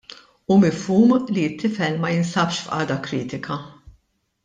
Hu mifhum li t-tifel ma jinsabx f'qagħda kritika.